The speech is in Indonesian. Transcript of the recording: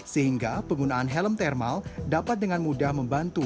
sehingga penggunaan helm thermal dapat dengan mudah membantu